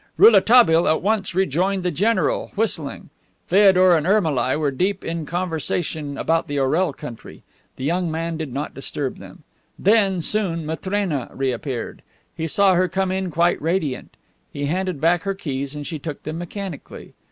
Rouletabille at once rejoined the general, whistling. Feodor and Ermolai were deep in conversation about the Orel country. The young man did not disturb them. Then, soon, Matrena reappeared. He saw her come in quite radiant. He handed back her keys, and she took them mechanically.